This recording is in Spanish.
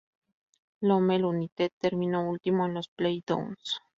Lommel United terminó último en los play-downs.